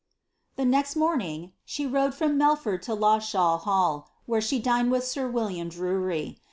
The next morning she rode from Melford to Lawshall hall, where she dined with sir William Drury.